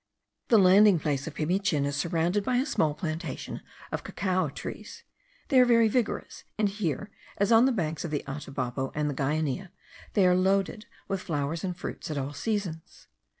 The landing place of Pimichin is surrounded by a small plantation of cacao trees; they are very vigorous, and here, as on the banks of the Atabapo and the Guainia, they are loaded with flowers and fruits at all seasons.